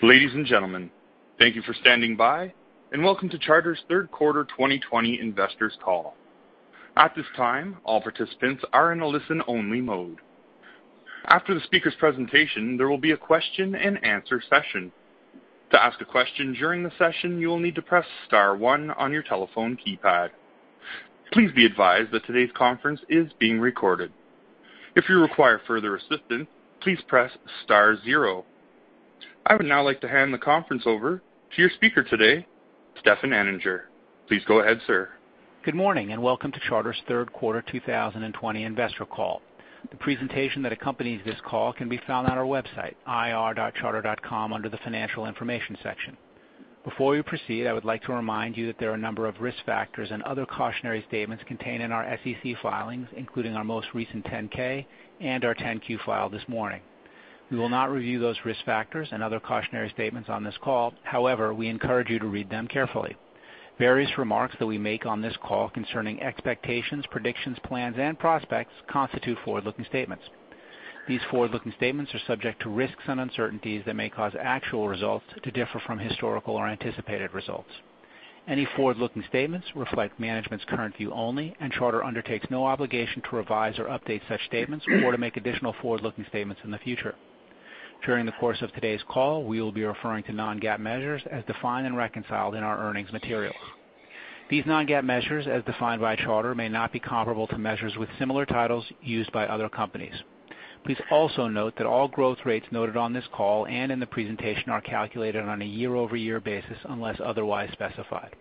Ladies and gentlemen, thank you for standing by and welcome to Charter's third quarter 2020 investors call. At this time, all participants are in a listen-only mode. After the speaker's presentation, there will be a question-and-answer session. To ask a question during the session, you will need to press star one on your telephone keypad. Please be advised that today's conference is being recorded. If you require further assistance, please press star zero. I would now like to hand the conference over to your speaker today, Stefan Anninger. Please go ahead, sir. Good morning, welcome to Charter's third quarter 2020 investor call. The presentation that accompanies this call can be found on our website, ir.charter.com, under the Financial Information section. Before we proceed, I would like to remind you that there are a number of risk factors and other cautionary statements contained in our SEC filings, including our most recent 10-K and our 10-Q filed this morning. We will not review those risk factors and other cautionary statements on this call. However, we encourage you to read them carefully. Various remarks that we make on this call concerning expectations, predictions, plans, and prospects constitute forward-looking statements. These forward-looking statements are subject to risks and uncertainties that may cause actual results to differ from historical or anticipated results. Any forward-looking statements reflect management's current view only, and Charter undertakes no obligation to revise or update such statements or to make additional forward-looking statements in the future. During the course of today's call, we will be referring to non-GAAP measures as defined and reconciled in our earnings material. These non-GAAP measures, as defined by Charter, may not be comparable to measures with similar titles used by other companies. Please also note that all growth rates noted on this call and in the presentation are calculated on a year-over-year basis unless otherwise specified.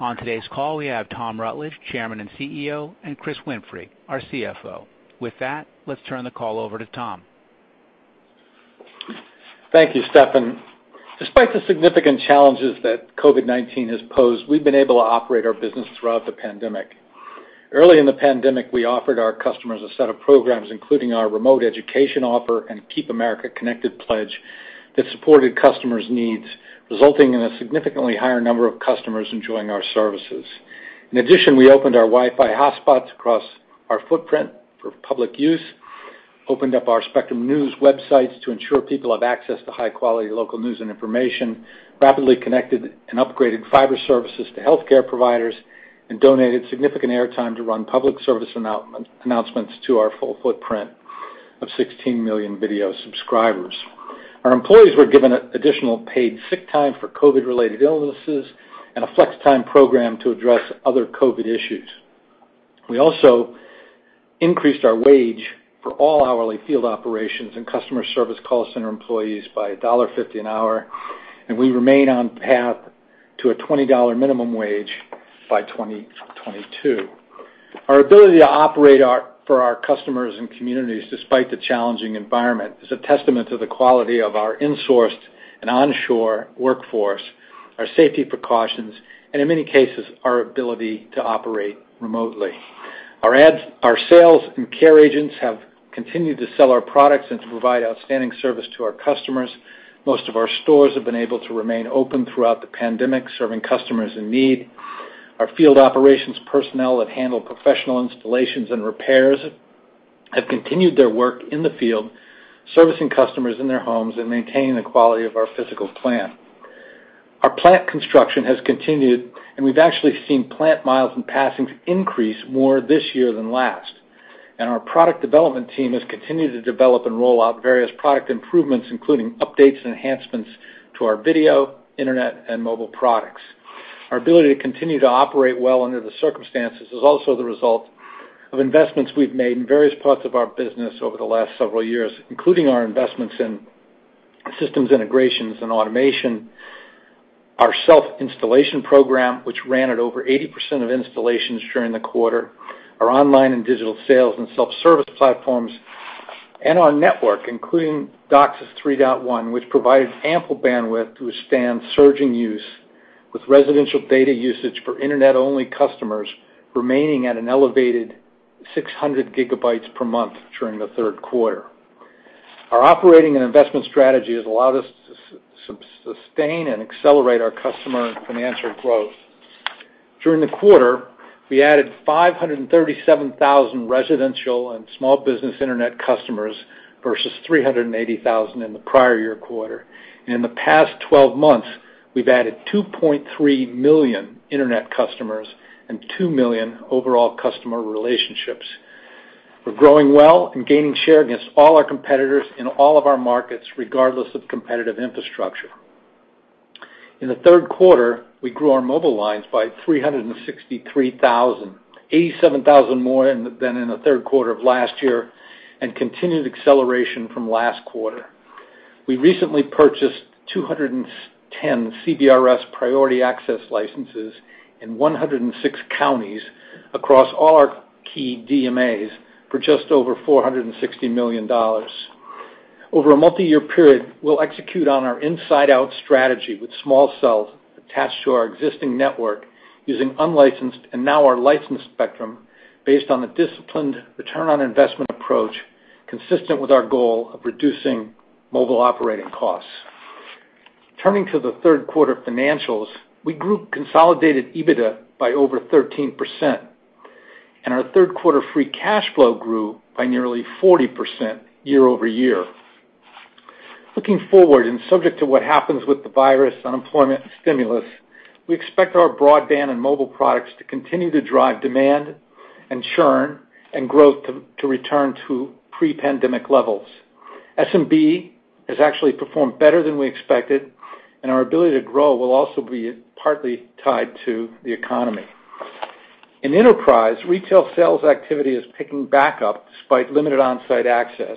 On today's call, we have Tom Rutledge, Chairman and CEO, and Chris Winfrey, our CFO. With that, let's turn the call over to Tom. Thank you, Stefan. Despite the significant challenges that COVID-19 has posed, we've been able to operate our business throughout the pandemic. Early in the pandemic, we offered our customers a set of programs, including our remote education offer and Keep Americans Connected pledge that supported customers' needs, resulting in a significantly higher number of customers enjoying our services. In addition, we opened our Wi-Fi hotspots across our footprint for public use, opened up our Spectrum News websites to ensure people have access to high-quality local news and information, rapidly connected and upgraded fiber services to healthcare providers, and donated significant airtime to run public service announcements to our full footprint of 16 million video subscribers. Our employees were given additional paid sick time for COVID-related illnesses and a flex time program to address other COVID issues. We also increased our wage for all hourly field operations and customer service call center employees by $1.50 an hour, and we remain on path to a $20 minimum wage by 2022. Our ability to operate for our customers and communities despite the challenging environment is a testament to the quality of our insourced and onshore workforce, our safety precautions, and in many cases, our ability to operate remotely. Our sales and care agents have continued to sell our products and to provide outstanding service to our customers. Most of our stores have been able to remain open throughout the pandemic, serving customers in need. Our field operations personnel that handle professional installations and repairs have continued their work in the field, servicing customers in their homes and maintaining the quality of our physical plant. Our plant construction has continued, we've actually seen plant miles and passings increase more this year than last. Our product development team has continued to develop and roll out various product improvements, including updates and enhancements to our video, internet, and mobile products. Our ability to continue to operate well under the circumstances is also the result of investments we've made in various parts of our business over the last several years, including our investments in systems integrations and automation, our self-installation program, which ran at over 80% of installations during the quarter, our online and digital sales and self-service platforms, and our network, including DOCSIS 3.1, which provided ample bandwidth to withstand surging use with residential data usage for internet-only customers remaining at an elevated 600 GB per month during the third quarter. Our operating and investment strategy has allowed us to sustain and accelerate our customer and financial growth. During the quarter, we added 537,000 residential and small business internet customers versus 380,000 in the prior year quarter. In the past 12 months, we've added 2.3 million internet customers and 2 million overall customer relationships. We're growing well and gaining share against all our competitors in all of our markets, regardless of competitive infrastructure. In the third quarter, we grew our mobile lines by 363,000, 87,000 more than in the third quarter of last year, and continued acceleration from last quarter. We recently purchased 210 CBRS priority access licenses in 106 counties across all our key DMAs for just over $460 million. Over a multiyear period, we'll execute on our inside-out strategy with small cells attached to our existing network using unlicensed and now our licensed spectrum based on the disciplined return on investment approach consistent with our goal of reducing mobile operating costs. Turning to the third quarter financials, we grew consolidated EBITDA by over 13%. Our third quarter free cash flow grew by nearly 40% year-over-year. Looking forward and subject to what happens with the virus, unemployment, and stimulus, we expect our broadband and mobile products to continue to drive demand and churn and growth to return to pre-pandemic levels. SMB has actually performed better than we expected, and our ability to grow will also be partly tied to the economy. In Enterprise, retail sales activity is picking back up despite limited on-site access.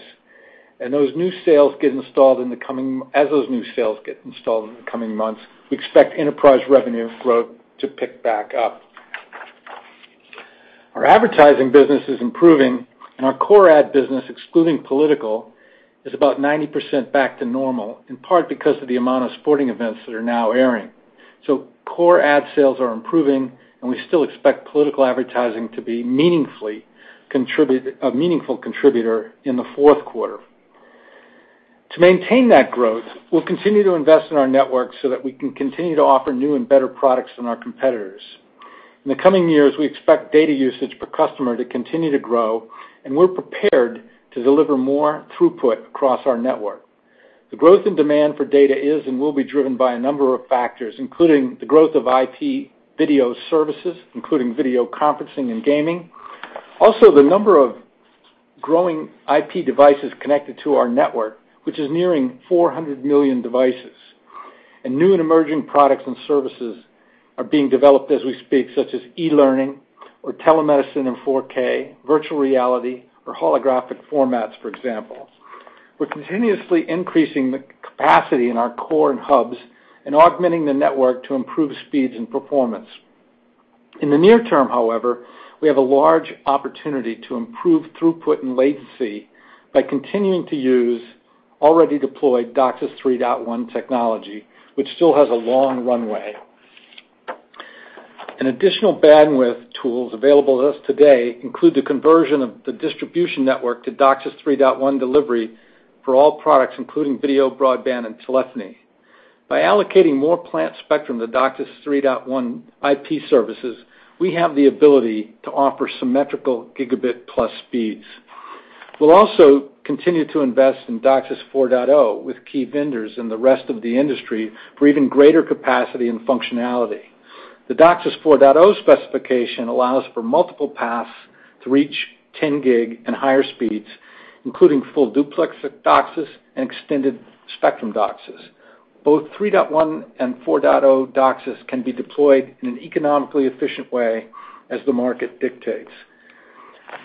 As those new sales get installed in the coming months, we expect Enterprise revenue growth to pick back up. Our advertising business is improving. Our core ad business, excluding political, is about 90% back to normal, in part because of the amount of sporting events that are now airing. Core ad sales are improving. We still expect political advertising to be a meaningful contributor in the fourth quarter. To maintain that growth, we'll continue to invest in our network so that we can continue to offer new and better products than our competitors. In the coming years, we expect data usage per customer to continue to grow. We're prepared to deliver more throughput across our network. The growth in demand for data is and will be driven by a number of factors, including the growth of IP video services, including video conferencing and gaming. The number of growing IP devices connected to our network, which is nearing 400 million devices. New and emerging products and services are being developed as we speak, such as e-learning or telemedicine in 4K, virtual reality, or holographic formats, for example. We're continuously increasing the capacity in our core and hubs and augmenting the network to improve speeds and performance. In the near term, however, we have a large opportunity to improve throughput and latency by continuing to use already deployed DOCSIS 3.1 technology, which still has a long runway. Additional bandwidth tools available to us today include the conversion of the distribution network to DOCSIS 3.1 delivery for all products, including video, broadband, and telephony. By allocating more plant spectrum to DOCSIS 3.1 IP services, we have the ability to offer symmetrical gigabit plus speeds. We'll also continue to invest in DOCSIS 4.0 with key vendors in the rest of the industry for even greater capacity and functionality. The DOCSIS 4.0 specification allows for multiple paths to reach 10 gig and higher speeds, including Full Duplex DOCSIS and Extended Spectrum DOCSIS. Both 3.1 and 4.0 DOCSIS can be deployed in an economically efficient way as the market dictates.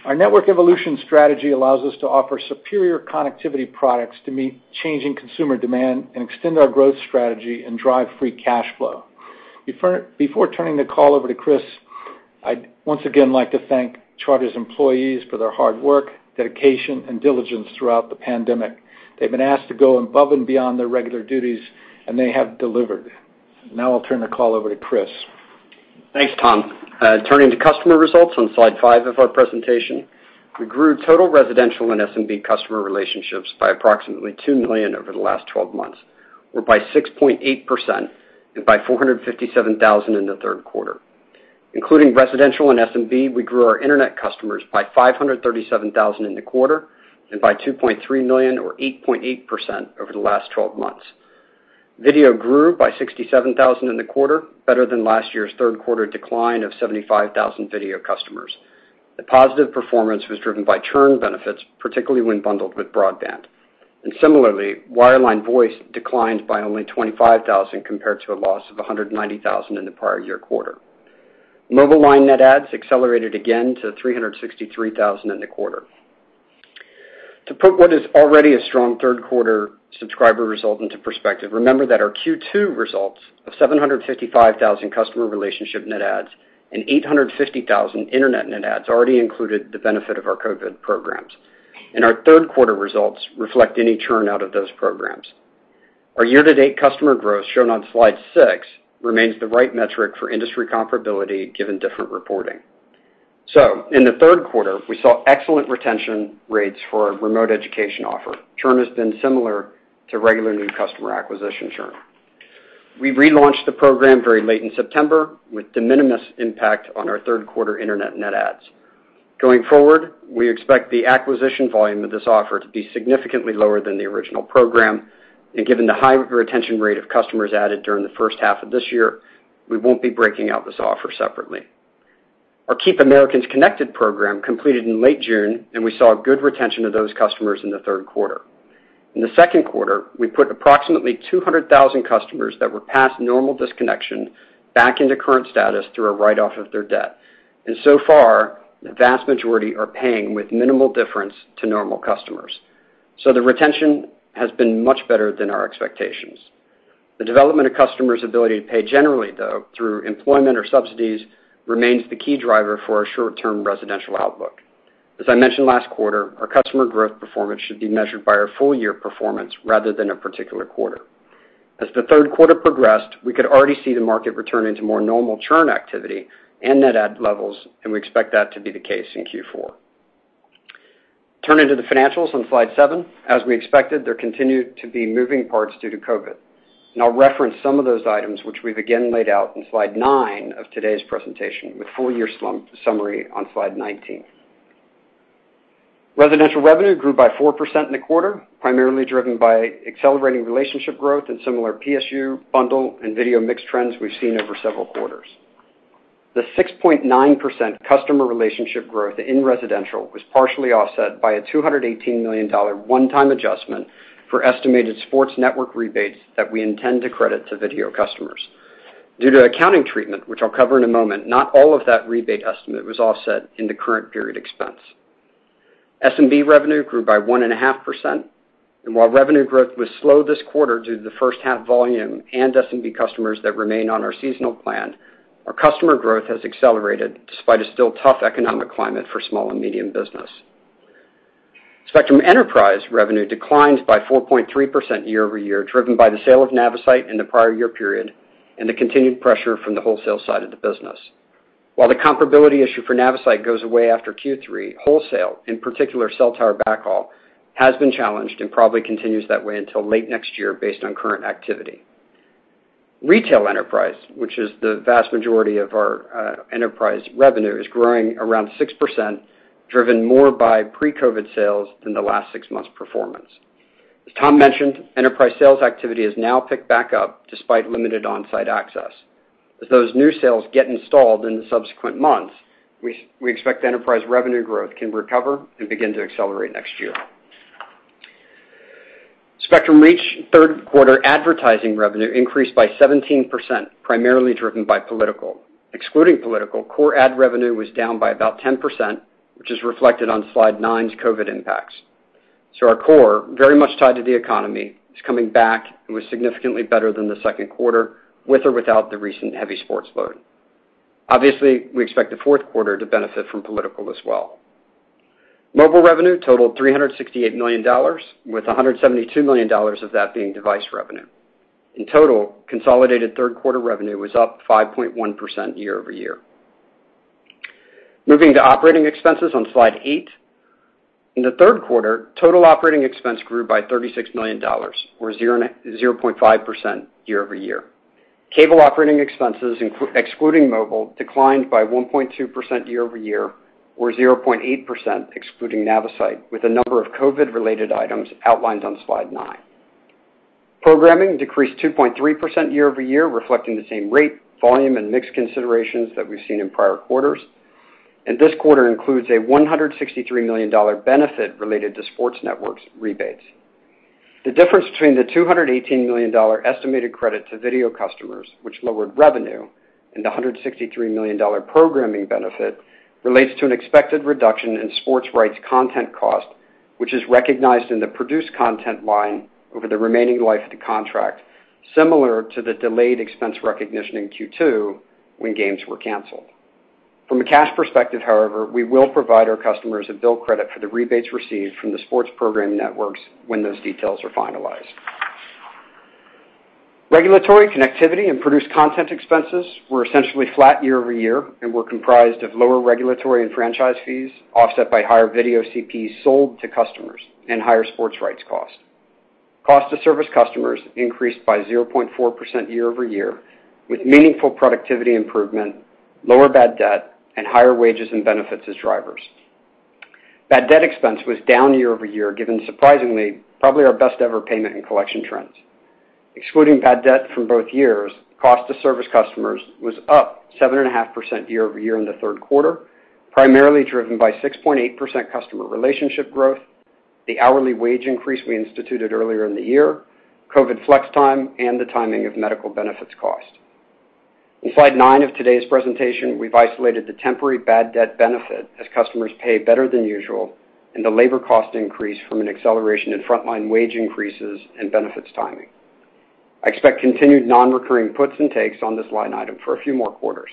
Our network evolution strategy allows us to offer superior connectivity products to meet changing consumer demand and extend our growth strategy and drive free cash flow. Before turning the call over to Chris, I'd once again like to thank Charter's employees for their hard work, dedication, and diligence throughout the pandemic. They've been asked to go above and beyond their regular duties, and they have delivered. Now I'll turn the call over to Chris. Thanks, Tom. Turning to customer results on slide five of our presentation. We grew total residential and SMB customer relationships by approximately 2 million over the last 12 months, or by 6.8% and by 457,000 in the third quarter. Including residential and SMB, we grew our internet customers by 537,000 in the quarter and by 2.3 million or 8.8% over the last 12 months. Video grew by 67,000 in the quarter, better than last year's third quarter decline of 75,000 video customers. The positive performance was driven by churn benefits, particularly when bundled with broadband. Similarly, wireline voice declined by only 25,000 compared to a loss of 190,000 in the prior year quarter. Mobile line net adds accelerated again to 363,000 in the quarter. To put what is already a strong third quarter subscriber result into perspective, remember that our Q2 results of 755,000 customer relationship net adds and 850,000 internet net adds already included the benefit of our COVID programs. Our third quarter results reflect any churn out of those programs. Our year-to-date customer growth, shown on slide six, remains the right metric for industry comparability, given different reporting. In the third quarter, we saw excellent retention rates for our remote education offer. Churn has been similar to regular new customer acquisition churn. We relaunched the program very late in September with de minimis impact on our third quarter internet net adds. Going forward, we expect the acquisition volume of this offer to be significantly lower than the original program, and given the high retention rate of customers added during the first half of this year, we won't be breaking out this offer separately. Our Keep Americans Connected program completed in late June, and we saw good retention of those customers in the third quarter. In the second quarter, we put approximately 200,000 customers that were past normal disconnection back into current status through a write-off of their debt. So far, the vast majority are paying with minimal difference to normal customers. The retention has been much better than our expectations. The development of customers' ability to pay generally, though, through employment or subsidies, remains the key driver for our short-term residential outlook. As I mentioned last quarter, our customer growth performance should be measured by our full year performance rather than a particular quarter. As the third quarter progressed, we could already see the market return into more normal churn activity and net add levels. We expect that to be the case in Q4. Turning to the financials on slide seven. As we expected, there continued to be moving parts due to COVID. I'll reference some of those items, which we've again laid out in slide nine of today's presentation, with full year summary on slide 19. Residential revenue grew by 4% in the quarter, primarily driven by accelerating relationship growth and similar PSU, bundle, and video mix trends we've seen over several quarters. The 6.9% customer relationship growth in residential was partially offset by a $218 million one-time adjustment for estimated sports network rebates that we intend to credit to video customers. Due to accounting treatment, which I'll cover in a moment, not all of that rebate estimate was offset in the current period expense. SMB revenue grew by 1.5%, and while revenue growth was slow this quarter due to the first half volume and SMB customers that remain on our seasonal plan, our customer growth has accelerated despite a still tough economic climate for small and medium business. Spectrum Enterprise revenue declined by 4.3% year-over-year, driven by the sale of Navisite in the prior year period and the continued pressure from the wholesale side of the business. While the comparability issue for Navisite goes away after Q3, wholesale, in particular cell tower backhaul, has been challenged and probably continues that way until late next year based on current activity. Retail enterprise, which is the vast majority of our enterprise revenue, is growing around 6%, driven more by pre-COVID sales than the last six months' performance. As Tom mentioned, enterprise sales activity has now picked back up despite limited on-site access. As those new sales get installed in the subsequent months, we expect enterprise revenue growth can recover and begin to accelerate next year. Spectrum Reach third quarter advertising revenue increased by 17%, primarily driven by political. Excluding political, core ad revenue was down by about 10%, which is reflected on slide nine's COVID impacts. Our core, very much tied to the economy, is coming back and was significantly better than the second quarter with or without the recent heavy sports load. Obviously, we expect the fourth quarter to benefit from political as well. Mobile revenue totaled $368 million, with $172 million of that being device revenue. In total, consolidated third quarter revenue was up 5.1% year-over-year. Moving to operating expenses on slide eight. In the third quarter, total operating expense grew by $36 million, or 0.5% year-over-year. Cable operating expenses, excluding mobile, declined by 1.2% year-over-year or 0.8% excluding Navisite, with a number of COVID-related items outlined on slide nine. Programming decreased 2.3% year-over-year, reflecting the same rate, volume, and mix considerations that we've seen in prior quarters. This quarter includes a $163 million benefit related to sports networks rebates. The difference between the $218 million estimated credit to video customers, which lowered revenue, and the $163 million programming benefit relates to an expected reduction in sports rights content cost, which is recognized in the produced content line over the remaining life of the contract, similar to the delayed expense recognition in Q2 when games were canceled. From a cash perspective, however, we will provide our customers a bill credit for the rebates received from the sports programming networks when those details are finalized. Regulatory connectivity and produced content expenses were essentially flat year-over-year and were comprised of lower regulatory and franchise fees, offset by higher video CPEs sold to customers and higher sports rights cost. Cost to service customers increased by 0.4% year-over-year, with meaningful productivity improvement, lower bad debt, and higher wages and benefits as drivers. Bad debt expense was down year-over-year, given surprisingly probably our best ever payment and collection trends. Excluding bad debt from both years, cost to service customers was up 7.5% year-over-year in the third quarter, primarily driven by 6.8% customer relationship growth, the hourly wage increase we instituted earlier in the year, COVID flex time, and the timing of medical benefits cost. In slide nine of today's presentation, we've isolated the temporary bad debt benefit as customers pay better than usual and the labor cost increase from an acceleration in frontline wage increases and benefits timing. I expect continued non-recurring puts and takes on this line item for a few more quarters.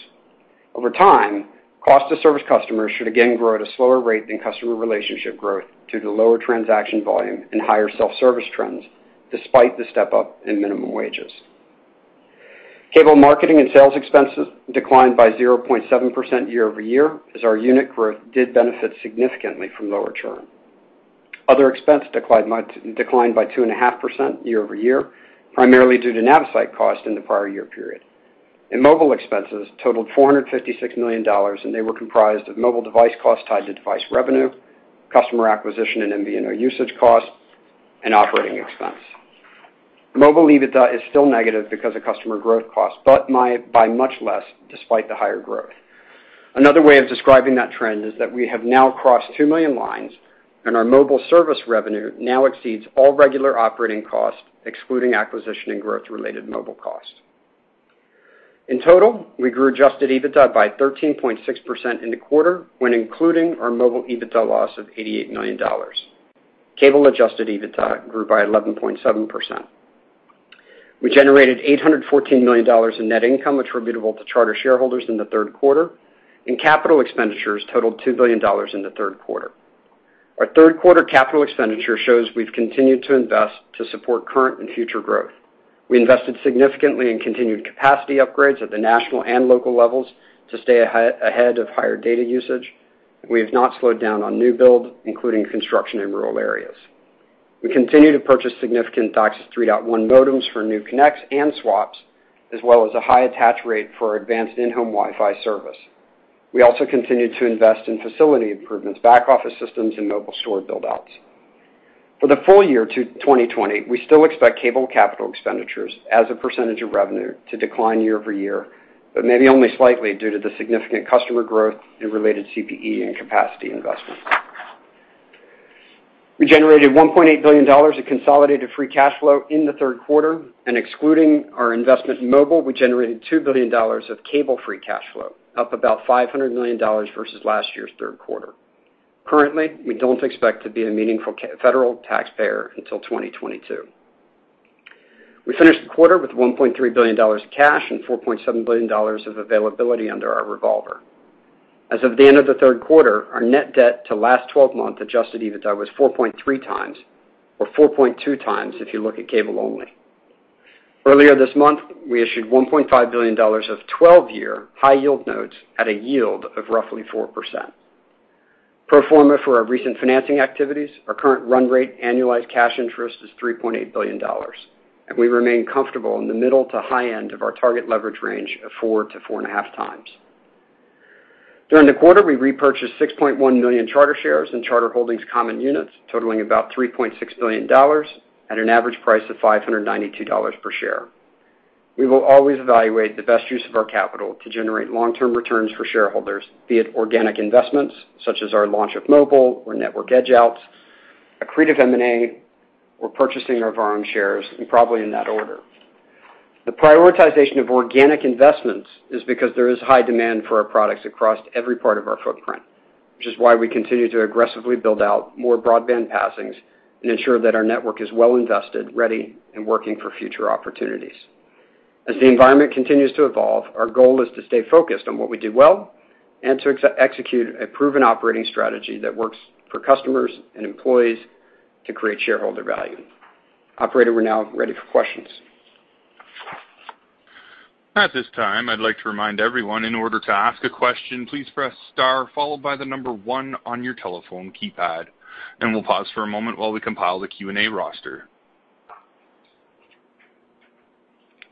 Over time, cost to service customers should again grow at a slower rate than customer relationship growth due to lower transaction volume and higher self-service trends despite the step-up in minimum wages. Cable marketing and sales expenses declined by 0.7% year-over-year as our unit growth did benefit significantly from lower churn. Other expense declined by 2.5% year-over-year, primarily due to Navisite cost in the prior year period. Mobile expenses totaled $456 million, and they were comprised of mobile device costs tied to device revenue, customer acquisition and MVNO usage costs, and operating expense. Mobile EBITDA is still negative because of customer growth costs, but by much less despite the higher growth. Another way of describing that trend is that we have now crossed 2 million lines, and our mobile service revenue now exceeds all regular operating costs, excluding acquisition and growth-related mobile costs. In total, we grew adjusted EBITDA by 13.6% in the quarter when including our mobile EBITDA loss of $88 million. Cable adjusted EBITDA grew by 11.7%. We generated $814 million in net income attributable to Charter shareholders in the third quarter, and capital expenditures totaled $2 billion in the third quarter. Our third quarter capital expenditure shows we've continued to invest to support current and future growth. We invested significantly in continued capacity upgrades at the national and local levels to stay ahead of higher data usage. We have not slowed down on new build, including construction in rural areas. We continue to purchase significant DOCSIS 3.1 modems for new connects and swaps, as well as a high attach rate for our advanced in-home Wi-Fi service. We also continued to invest in facility improvements, back office systems, and mobile store build-outs. For the full year 2020, we still expect cable capital expenditures as a percentage of revenue to decline year-over-year, but maybe only slightly due to the significant customer growth in related CPE and capacity investments. We generated $1.8 billion of consolidated free cash flow in the third quarter, and excluding our investment in mobile, we generated $2 billion of cable free cash flow, up about $500 million versus last year's third quarter. Currently, we don't expect to be a meaningful federal taxpayer until 2022. We finished the quarter with $1.3 billion of cash and $4.7 billion of availability under our revolver. As of the end of the third quarter, our net debt to last 12-month adjusted EBITDA was 4.3x, or 4.2x if you look at cable only. Earlier this month, we issued $1.5 billion of 12-year high yield notes at a yield of roughly 4%. Pro forma for our recent financing activities, our current run rate annualized cash interest is $3.8 billion, and we remain comfortable in the middle to high end of our target leverage range of 4x-4.5x. During the quarter, we repurchased 6.1 million Charter shares and Charter Holdings common units totaling about $3.6 billion at an average price of $592 per share. We will always evaluate the best use of our capital to generate long-term returns for shareholders, be it organic investments such as our launch of mobile or network edge outs, accretive M&A, or purchasing our own shares, and probably in that order. The prioritization of organic investments is because there is high demand for our products across every part of our footprint, which is why we continue to aggressively build out more broadband passings and ensure that our network is well invested, ready, and working for future opportunities. As the environment continues to evolve, our goal is to stay focused on what we do well and to execute a proven operating strategy that works for customers and employees to create shareholder value. Operator, we are now ready for questions. At this time I'd like to remind everyone, in order to ask a question, please press star followed by the number one on your telephone keypad, and we'll pause for a moment while we compile the Q&A roster.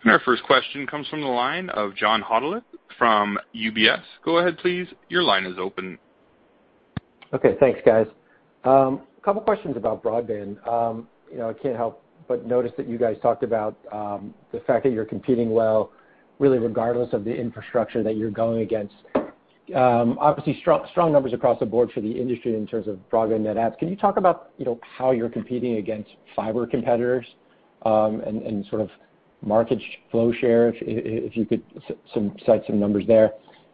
Our first question comes from the line of John Hodulik from UBS. Go ahead, please. Your line is open. Okay. Thanks, guys. Couple questions about broadband. I cannot help but notice that you guys talked about the fact that you are competing well, really regardless of the infrastructure that you are going against. Obviously, strong numbers across the board for the industry in terms of broadband net adds. Can you talk about how you are competing against fiber competitors, and sort of market flow share, if you could cite some numbers there?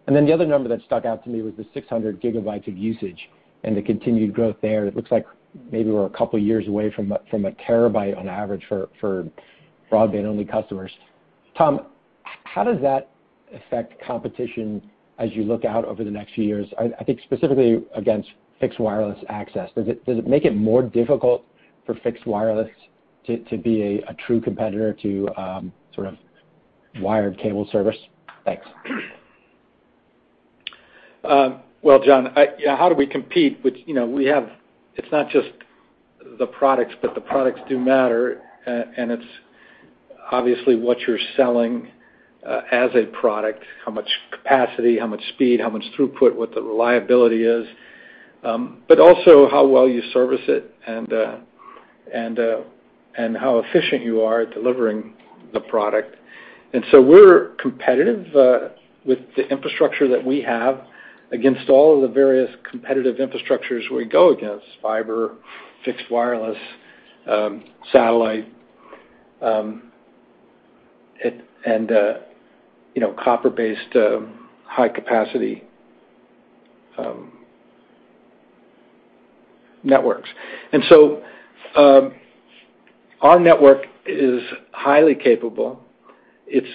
The other number that stuck out to me was the 600 GB of usage and the continued growth there. It looks like maybe we are a couple of years away from 1 TB on average for broadband-only customers. Tom, how does that affect competition as you look out over the next few years? I think specifically against fixed wireless access. Does it make it more difficult for fixed wireless to be a true competitor to wired cable service? Thanks. Well, John, how do we compete? It's not just the products, but the products do matter, it's obviously what you're selling as a product, how much capacity, how much speed, how much throughput, what the reliability is, but also how well you service it and how efficient you are at delivering the product. We're competitive with the infrastructure that we have against all of the various competitive infrastructures we go against, fiber, fixed wireless, satellite, and copper-based high capacity networks. Our network is highly capable. It's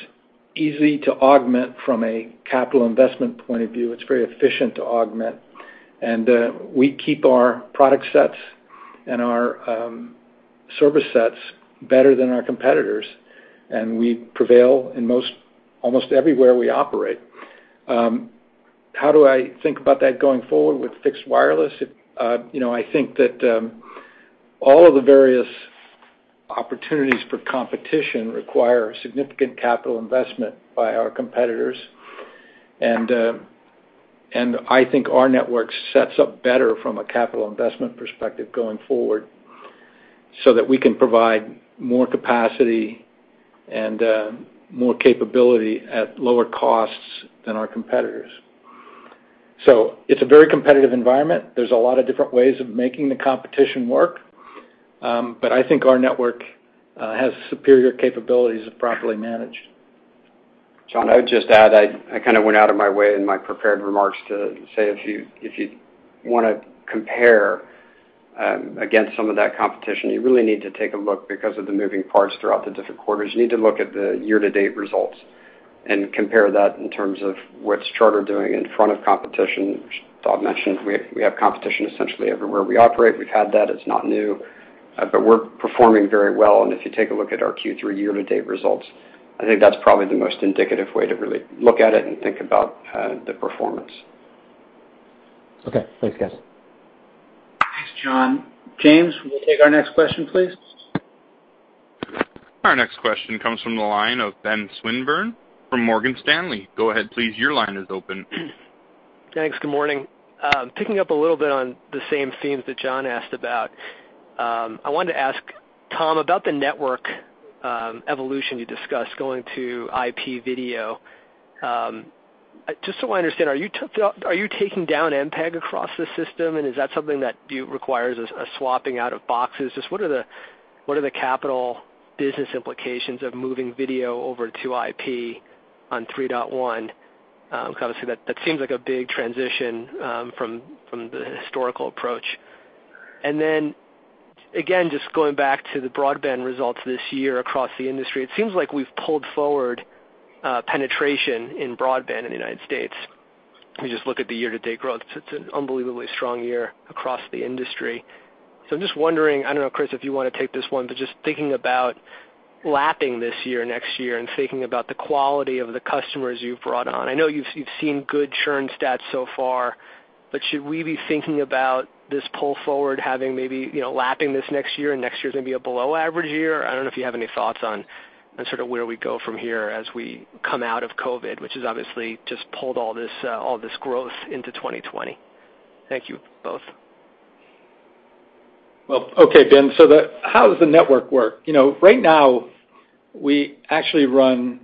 easy to augment from a capital investment point of view. It's very efficient to augment. We keep our product sets and our service sets better than our competitors, and we prevail in almost everywhere we operate. How do I think about that going forward with fixed wireless? I think that all of the various opportunities for competition require significant capital investment by our competitors, and I think our network sets up better from a capital investment perspective going forward so that we can provide more capacity and more capability at lower costs than our competitors. It's a very competitive environment. There's a lot of different ways of making the competition work. I think our network has superior capabilities if properly managed. John, I would just add, I kind of went out of my way in my prepared remarks to say if you want to compare against some of that competition, you really need to take a look because of the moving parts throughout the different quarters. You need to look at the year-to-date results Compare that in terms of what's Charter doing in front of competition, which Tom mentioned. We have competition essentially everywhere we operate. We've had that, it's not new, but we're performing very well. If you take a look at our Q3 year-to-date results, I think that's probably the most indicative way to really look at it and think about the performance. Okay. Thanks, guys. Thanks, John. James, we'll take our next question, please. Our next question comes from the line of Ben Swinburne from Morgan Stanley. Go ahead, please. Your line is open. Thanks. Good morning. Picking up a little bit on the same themes that John asked about, I wanted to ask Tom about the network evolution you discussed going to IP video. Just so I understand, are you taking down MPEG across the system, and is that something that requires a swapping out of boxes? Just what are the capital business implications of moving video over to IP on 3.1? Obviously, that seems like a big transition from the historical approach. Again, just going back to the broadband results this year across the industry, it seems like we've pulled forward penetration in broadband in the U.S. If you just look at the year-to-date growth, it's an unbelievably strong year across the industry. I'm just wondering, I don't know, Chris, if you want to take this one, but just thinking about lapping this year, next year, and thinking about the quality of the customers you've brought on. I know you've seen good churn stats so far, but should we be thinking about this pull forward having maybe lapping this next year, and next year is going to be a below average year? I don't know if you have any thoughts on sort of where we go from here as we come out of COVID, which has obviously just pulled all this growth into 2020. Thank you both. Well, okay, Ben. How does the network work? Right now, we actually run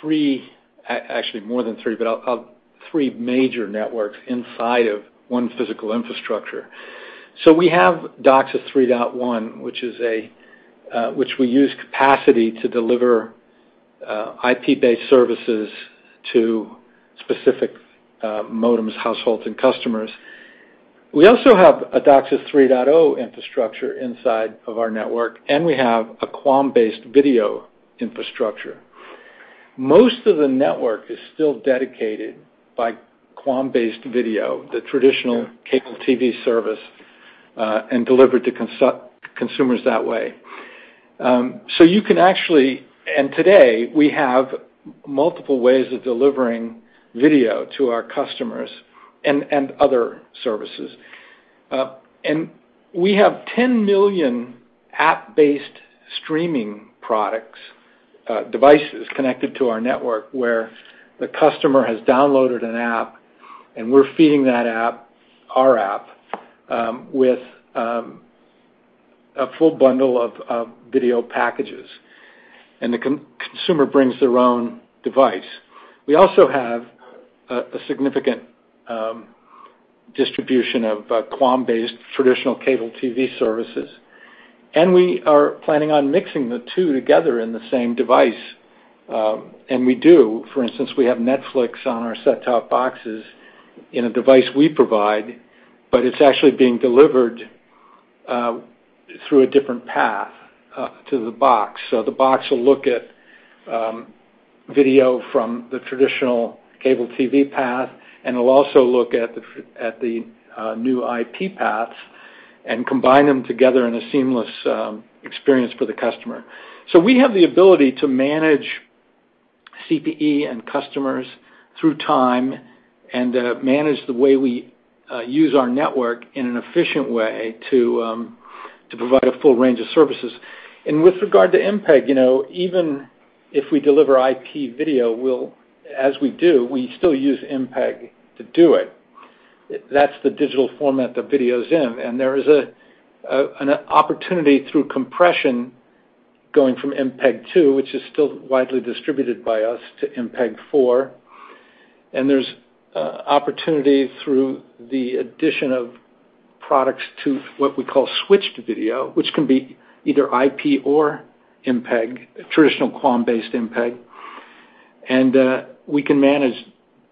three, actually more than three, but three major networks inside of one physical infrastructure. We have DOCSIS 3.1, which we use capacity to deliver IP-based services to specific modems, households, and customers. We also have a DOCSIS 3.0 infrastructure inside of our network, and we have a QAM-based video infrastructure. Most of the network is still dedicated by QAM-based video, the traditional cable TV service, and delivered to consumers that way. Today, we have multiple ways of delivering video to our customers and other services. We have 10 million app-based streaming products, devices connected to our network where the customer has downloaded an app, and we're feeding that app, our app, with a full bundle of video packages, and the consumer brings their own device. We also have a significant distribution of QAM-based traditional cable TV services, and we are planning on mixing the two together in the same device. We do. For instance, we have Netflix on our set-top boxes in a device we provide, but it's actually being delivered through a different path to the box. The box will look at video from the traditional cable TV path, and it'll also look at the new IP paths and combine them together in a seamless experience for the customer. We have the ability to manage CPE and customers through time and manage the way we use our network in an efficient way to provide a full range of services. With regard to MPEG, even if we deliver IP video, as we do, we still use MPEG to do it. That's the digital format the video's in, and there is an opportunity through compression going from MPEG-2, which is still widely distributed by us, to MPEG-4. There's opportunity through the addition of products to what we call switched video, which can be either IP or MPEG, traditional QAM-based MPEG. We can manage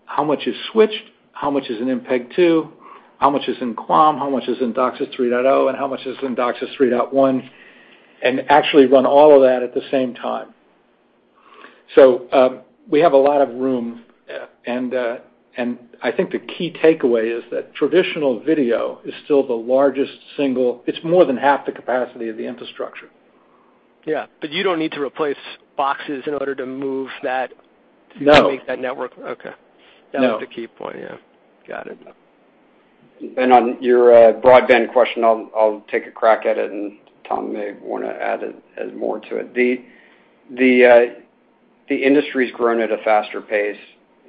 how much is switched, how much is in MPEG-2, how much is in QAM, how much is in DOCSIS 3.0, and how much is in DOCSIS 3.1, and actually run all of that at the same time. We have a lot of room, and I think the key takeaway is that traditional video is still the largest. It's more than half the capacity of the infrastructure. Yeah, you don't need to replace boxes in order to move that. No. To make that network. Okay. No. That was the key point, yeah. Got it. Ben, on your broadband question, I'll take a crack at it, and Tom may want to add more to it. The industry's grown at a faster pace,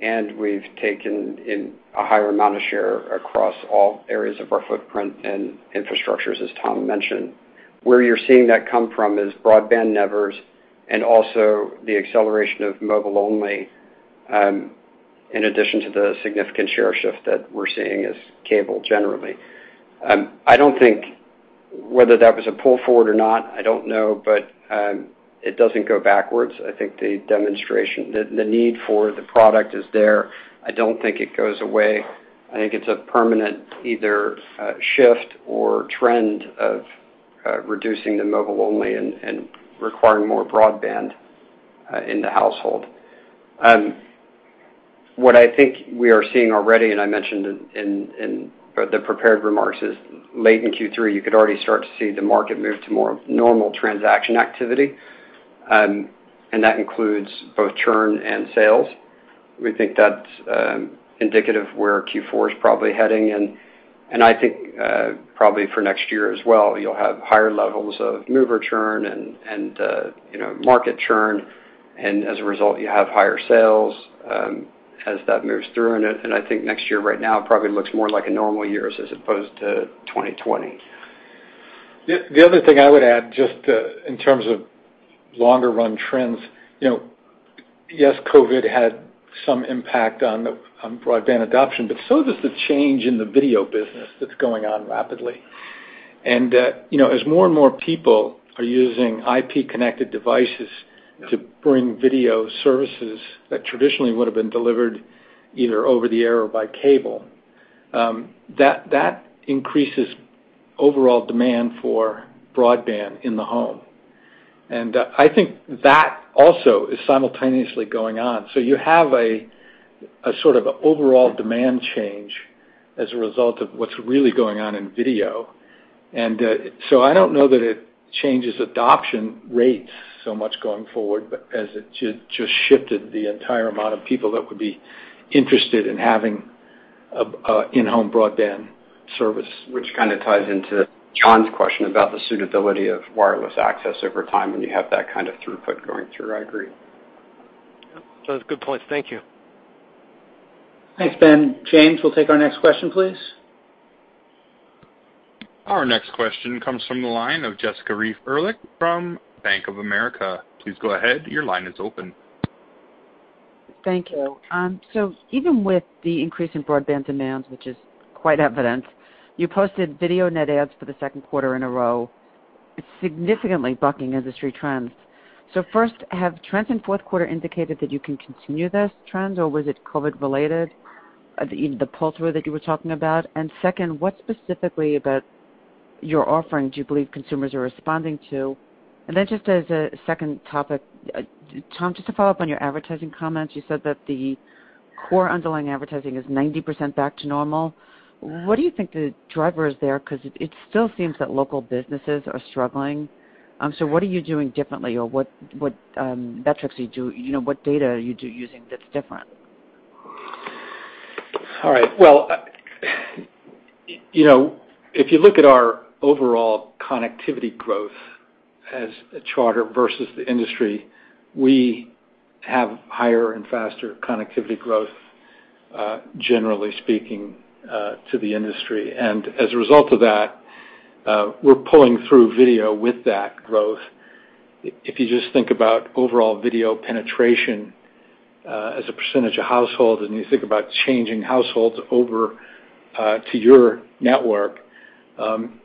and we've taken in a higher amount of share across all areas of our footprint and infrastructures, as Tom mentioned. Where you're seeing that come from is broadband nevers and also the acceleration of mobile only, in addition to the significant share shift that we're seeing as cable generally. I don't think whether that was a pull forward or not, I don't know, but it doesn't go backwards. I think the demonstration, the need for the product is there. I don't think it goes away. I think it's a permanent either shift or trend of reducing the mobile only and requiring more broadband in the household. What I think we are seeing already, I mentioned in the prepared remarks, is late in Q3, you could already start to see the market move to more normal transaction activity, and that includes both churn and sales. We think that's indicative of where Q4 is probably heading. I think probably for next year as well, you'll have higher levels of mover churn and market churn, and as a result, you have higher sales as that moves through. I think next year right now probably looks more like a normal year as opposed to 2020. The other thing I would add, just in terms of longer run trends. Yes, COVID had some impact on broadband adoption, but so does the change in the video business that's going on rapidly. As more and more people are using IP connected devices to bring video services that traditionally would've been delivered either over the air or by cable, that increases overall demand for broadband in the home. I think that also is simultaneously going on. You have a sort of overall demand change as a result of what's really going on in video. I don't know that it changes adoption rates so much going forward, but as it just shifted the entire amount of people that would be interested in having a in-home broadband service. Which kind of ties into John's question about the suitability of wireless access over time, when you have that kind of throughput going through, I agree. Those are good points. Thank you. Thanks, Ben. James, we'll take our next question, please. Our next question comes from the line of Jessica Reif Ehrlich from Bank of America. Please go ahead. Your line is open. Thank you. Even with the increase in broadband demands, which is quite evident, you posted video net adds for the second quarter in a row. It's significantly bucking industry trends. First, have trends in fourth quarter indicated that you can continue this trend, or was it COVID related, the pull-through that you were talking about? Second, what specifically about your offering do you believe consumers are responding to? Then just as a second topic, Tom, just to follow up on your advertising comments, you said that the core underlying advertising is 90% back to normal. What do you think the driver is there? Because it still seems that local businesses are struggling. What are you doing differently, or what metrics are you using, what data are you using that's different? All right. Well, if you look at our overall connectivity growth as a Charter versus the industry, we have higher and faster connectivity growth, generally speaking, to the industry. As a result of that, we're pulling through video with that growth. If you just think about overall video penetration as a percentage of household, and you think about changing households over to your network,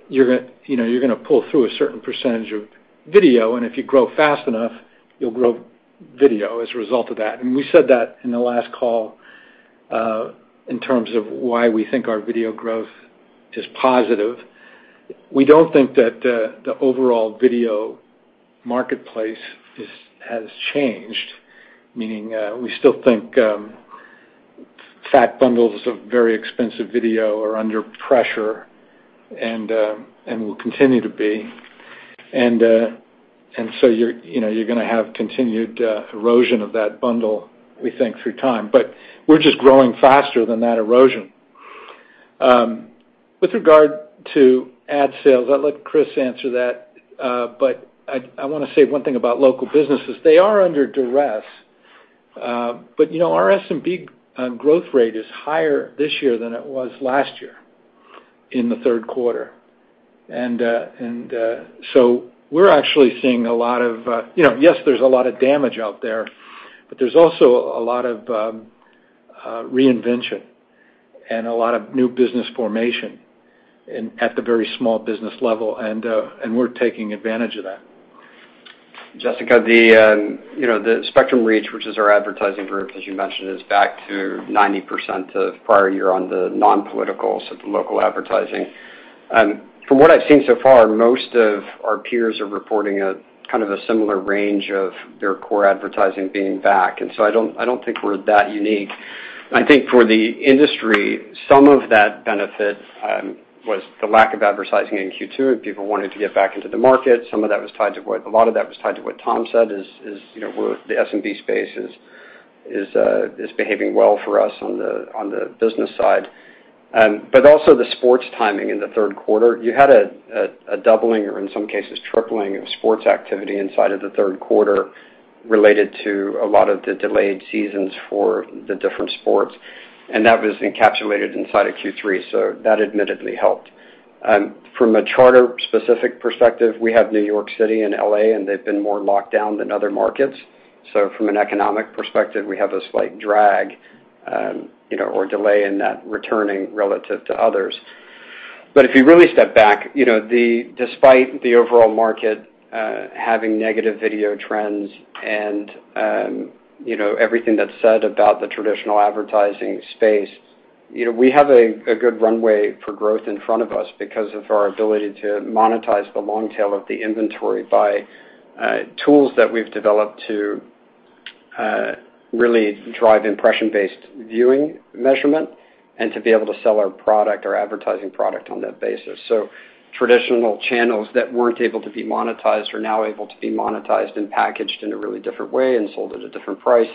you're going to pull through a certain percentage of video, and if you grow fast enough, you'll grow video as a result of that. We said that in the last call, in terms of why we think our video growth is positive. We don't think that the overall video marketplace has changed. Meaning, we still think fat bundles of very expensive video are under pressure and will continue to be. You're going to have continued erosion of that bundle, we think, through time. We're just growing faster than that erosion. With regard to ad sales, I'd let Chris answer that. I want to say one thing about local businesses. They are under duress. Our SMB growth rate is higher this year than it was last year in the third quarter. We're actually seeing a lot of. Yes, there's a lot of damage out there, but there's also a lot of reinvention and a lot of new business formation at the very small business level. We're taking advantage of that. Jessica, the Spectrum Reach, which is our advertising group, as you mentioned, is back to 90% of prior year on the non-political, so the local advertising. From what I've seen so far, most of our peers are reporting a kind of a similar range of their core advertising being back, and so I don't think we're that unique. A lot of that benefit was the lack of advertising in Q2, and people wanted to get back into the market. A lot of that was tied to what Tom said, is the SMB space is behaving well for us on the business side, but also the sports timing in the third quarter. You had a doubling, or in some cases tripling of sports activity inside of the third quarter related to a lot of the delayed seasons for the different sports. That was encapsulated inside of Q3, so that admittedly helped. From a Charter specific perspective, we have New York City and L.A., and they've been more locked down than other markets. From an economic perspective, we have a slight drag or delay in that returning relative to others. If you really step back, despite the overall market having negative video trends and everything that's said about the traditional advertising space. We have a good runway for growth in front of us because of our ability to monetize the long tail of the inventory by tools that we've developed to really drive impression-based viewing measurement and to be able to sell our advertising product on that basis. Traditional channels that weren't able to be monetized are now able to be monetized and packaged in a really different way and sold at a different price,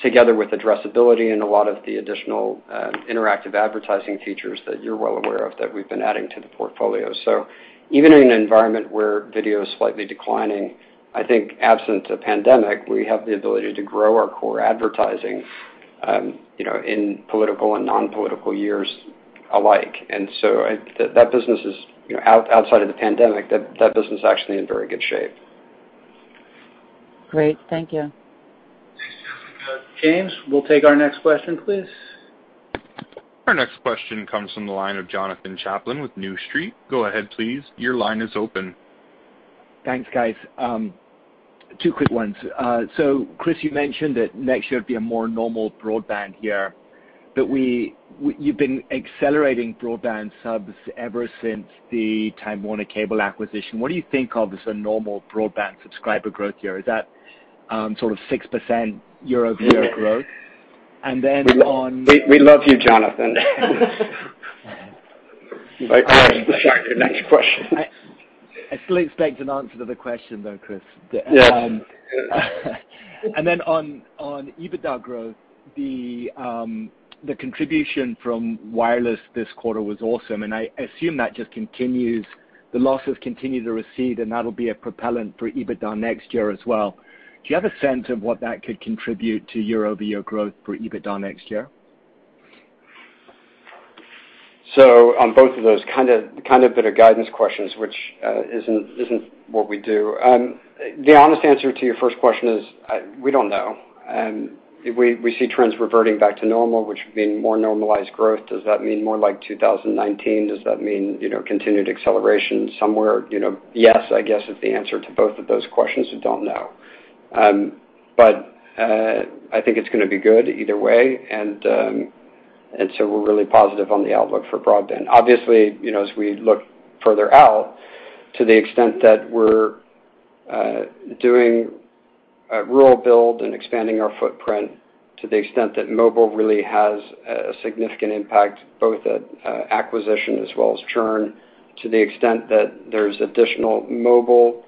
together with addressability and a lot of the additional interactive advertising features that you're well aware of, that we've been adding to the portfolio. Even in an environment where video is slightly declining, I think absent a pandemic, we have the ability to grow our core advertising in political and non-political years alike. Outside of the pandemic, that business is actually in very good shape. Great. Thank you. Thanks, Jessica. James, we'll take our next question, please. Our next question comes from the line of Jonathan Chaplin with New Street. Go ahead, please. Your line is open. Thanks, guys. Two quick ones. Chris, you mentioned that next year would be a more normal broadband year, but you've been accelerating broadband subs ever since the Time Warner Cable acquisition. What do you think of as a normal broadband subscriber growth year? Is that sort of 6% year-over-year growth? We love you, Jonathan. Sorry. Next question. I still expect an answer to the question though, Chris. Yeah. Then on EBITDA growth, the contribution from wireless this quarter was awesome. I assume that just continues. The losses continue to recede. That'll be a propellant for EBITDA next year as well. Do you have a sense of what that could contribute to year-over-year growth for EBITDA next year? On both of those, kind of bit of guidance questions, which isn't what we do. The honest answer to your first question is, we don't know. We see trends reverting back to normal, which would mean more normalized growth. Does that mean more like 2019? Does that mean continued acceleration somewhere? Yes, I guess, is the answer to both of those questions. We don't know. I think it's going to be good either way, we're really positive on the outlook for broadband. Obviously, as we look further out, to the extent that we're doing a rural build and expanding our footprint, to the extent that mobile really has a significant impact, both at acquisition as well as churn, to the extent that there's additional mobile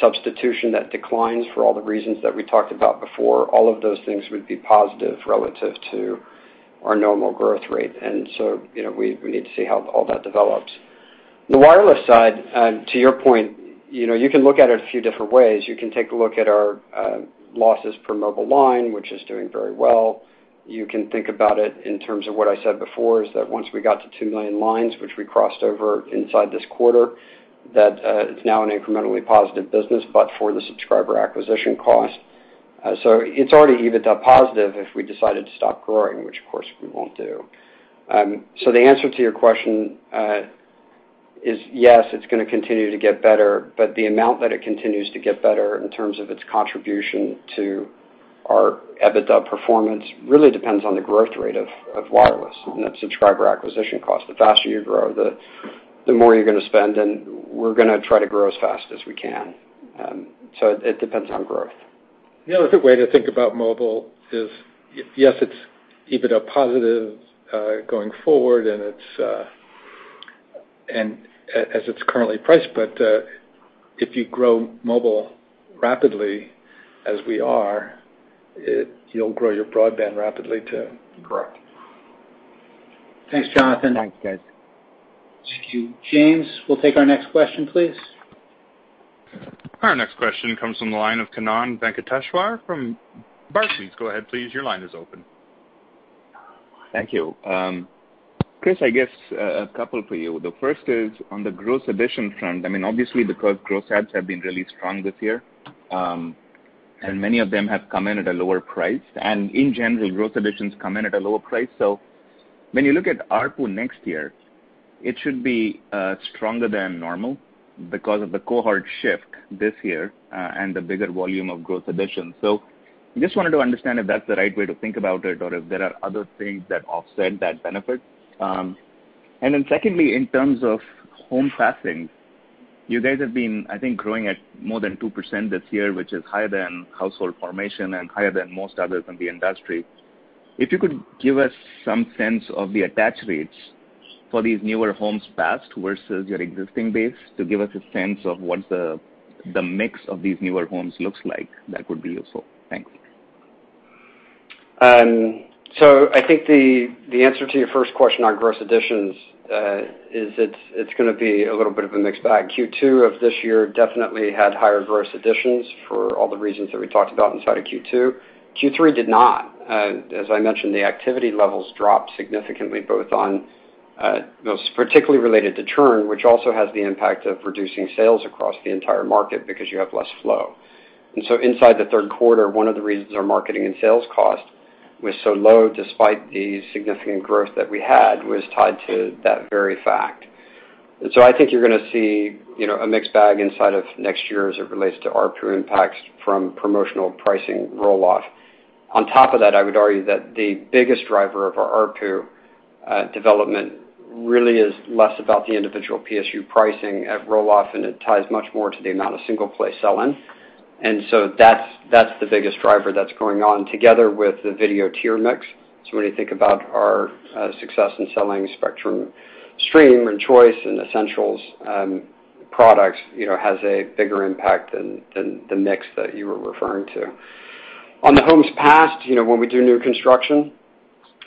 substitution that declines for all the reasons that we talked about before. All of those things would be positive relative to our normal growth rate. We need to see how all that develops. The wireless side, to your point, you can look at it a few different ways. You can take a look at our losses per mobile line, which is doing very well. You can think about it in terms of what I said before, is that once we got to 2 million lines, which we crossed over inside this quarter, that it's now an incrementally positive business, but for the subscriber acquisition cost. It's already EBITDA positive if we decided to stop growing, which of course we won't do. The answer to your question is yes, it's going to continue to get better, but the amount that it continues to get better in terms of its contribution to our EBITDA performance really depends on the growth rate of wireless and that subscriber acquisition cost. The faster you grow, the more you're going to spend, and we're going to try to grow as fast as we can. It depends on growth. The other way to think about mobile is, yes, it's EBITDA positive going forward, as it's currently priced, but if you grow mobile rapidly as we are, you'll grow your broadband rapidly too. Correct. Thanks, Jonathan. Thanks, guys. Thank you. James, we'll take our next question, please. Our next question comes from the line of Kannan Venkateshwar from Barclays. Go ahead, please. Your line is open. Thank you. Chris, I guess a couple for you. The first is on the gross addition front. Obviously, the gross adds have been really strong this year, and many of them have come in at a lower price. In general, gross additions come in at a lower price. When you look at ARPU next year, it should be stronger than normal because of the cohort shift this year and the bigger volume of gross additions. I just wanted to understand if that's the right way to think about it, or if there are other things that offset that benefit. Secondly, in terms of home passing, you guys have been, I think growing at more than 2% this year, which is higher than household formation and higher than most others in the industry. If you could give us some sense of the attach rates for these newer homes passed versus your existing base to give us a sense of what the mix of these newer homes looks like, that would be useful. Thanks. I think the answer to your first question on gross additions, is it's going to be a little bit of a mixed bag. Q2 of this year definitely had higher gross additions for all the reasons that we talked about inside of Q2. Q3 did not. As I mentioned, the activity levels dropped significantly, both on those particularly related to churn, which also has the impact of reducing sales across the entire market because you have less flow. Inside the third quarter, one of the reasons our marketing and sales cost was so low, despite the significant growth that we had, was tied to that very fact. I think you're going to see a mixed bag inside of next year as it relates to ARPU impacts from promotional pricing roll-off. On top of that, I would argue that the biggest driver of our ARPU development really is less about the individual PSU pricing at roll-off, and it ties much more to the amount of single-play sell-in. That's the biggest driver that's going on together with the video tier mix. When you think about our success in selling Spectrum Stream and Choice and Essentials products, it has a bigger impact than the mix that you were referring to. On the homes passed, when we do new construction,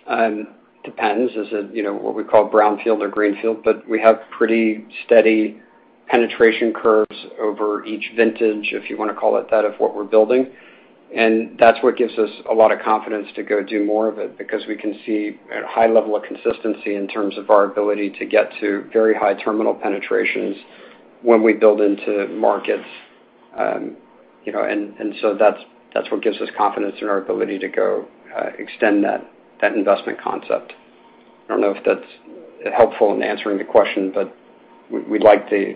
it depends. Is it what we call brownfield or greenfield? We have pretty steady penetration curves over each vintage, if you want to call it that, of what we're building. That's what gives us a lot of confidence to go do more of it, because we can see a high level of consistency in terms of our ability to get to very high terminal penetrations when we build into markets. That's what gives us confidence in our ability to go extend that investment concept. I don't know if that's helpful in answering the question, but we like the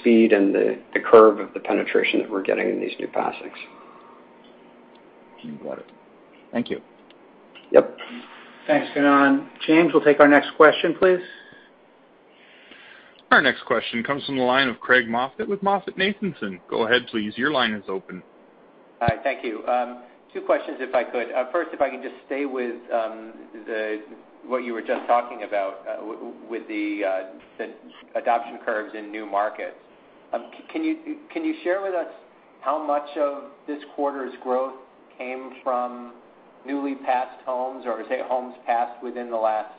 speed and the curve of the penetration that we're getting in these new passings. You got it. Thank you. Yep. Thanks, Kannan. James, we'll take our next question, please. Our next question comes from the line of Craig Moffett with MoffettNathanson. Go ahead, please. Your line is open. Hi, thank you. Two questions if I could. First, if I can just stay with what you were just talking about with the adoption curves in new markets. Can you share with us how much of this quarter's growth came from newly passed homes, or say homes passed within the last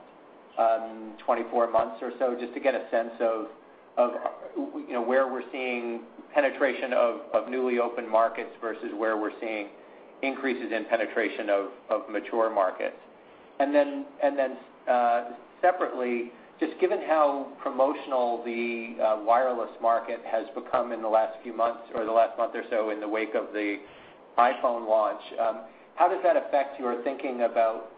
24 months or so, just to get a sense of where we're seeing penetration of newly opened markets versus where we're seeing increases in penetration of mature markets? Separately, just given how promotional the wireless market has become in the last few months or the last month or so in the wake of the iPhone launch, how does that affect your thinking about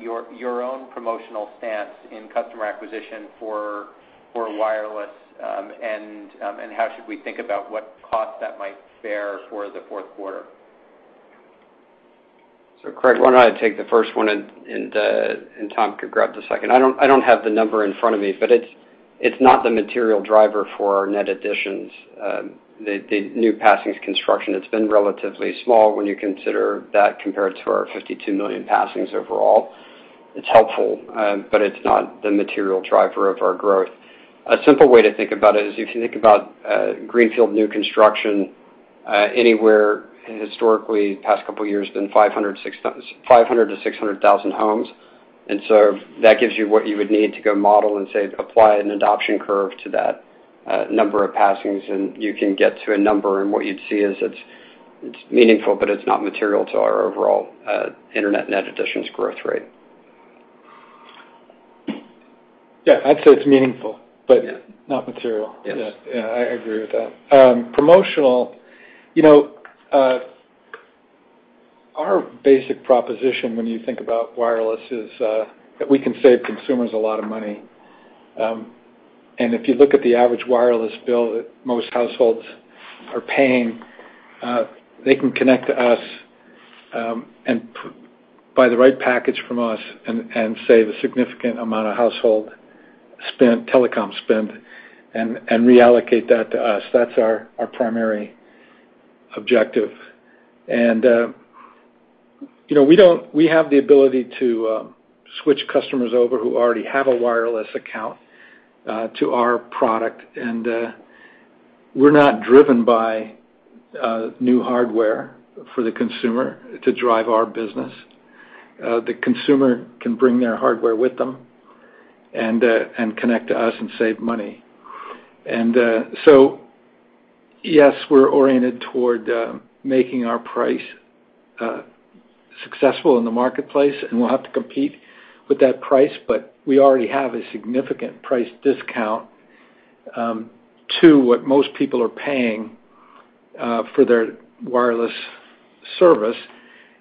your own promotional stance in customer acquisition for wireless? How should we think about what cost that might bear for the fourth quarter? Craig, why don't I take the first one, and Tom can grab the second? I don't have the number in front of me, but it's not the material driver for our net additions. The new passings construction, it's been relatively small when you consider that compared to our 52 million passings overall. It's helpful, but it's not the material driver of our growth. A simple way to think about it is if you think about greenfield new construction, anywhere historically the past couple of years been 500,000-600,000 homes. That gives you what you would need to go model and, say, apply an adoption curve to that number of passings, and you can get to a number, and what you'd see is it's meaningful, but it's not material to our overall internet net additions growth rate. Yeah, I'd say it's meaningful, but not material. Yes. I agree with that. Promotional. Our basic proposition when you think about wireless is that we can save consumers a lot of money. If you look at the average wireless bill that most households are paying, they can connect to us and buy the right package from us and save a significant amount of household telecom spend and reallocate that to us. That's our primary objective. We have the ability to switch customers over who already have a wireless account to our product, and we're not driven by new hardware for the consumer to drive our business. The consumer can bring their hardware with them and connect to us and save money. Yes, we're oriented toward making our price successful in the marketplace, and we'll have to compete with that price, but we already have a significant price discount to what most people are paying for their wireless service.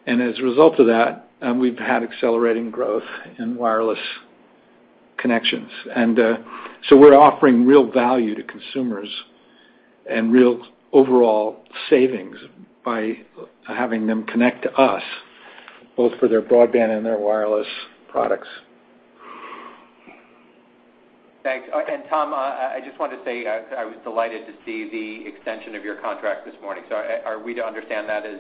As a result of that, we've had accelerating growth in wireless connections. We're offering real value to consumers and real overall savings by having them connect to us both for their broadband and their wireless products. Thanks. Tom, I just wanted to say I was delighted to see the extension of your contract this morning. Are we to understand that as